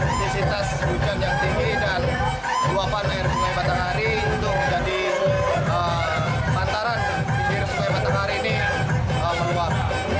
intensitas hujan yang tinggi dan luapan air sungai batanghari untuk menjadi bantaran di sungai batanghari ini meluap